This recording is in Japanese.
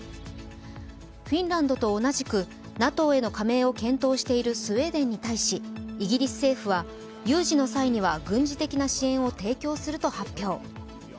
フィンランドと同じくＮＡＴＯへの加盟を検討しているスウェーデンに対し、イギリス政府は、有事の際には軍事的な支援を提供すると発表。